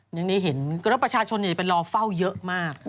ยังได้เห็นแล้วประชาชนไปรอเฝ้าเยอะมาก